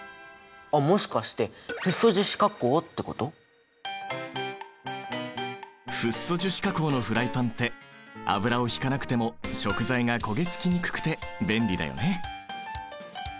あっもしかしてフッ素樹脂加工のフライパンって油を引かなくても食材が焦げ付きにくくて便利だよね。